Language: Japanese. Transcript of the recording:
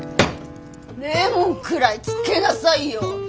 レモンくらいつけなさいよ。